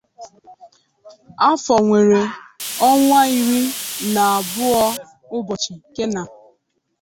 Afo nwere onwa iri na abwo ubochi kena.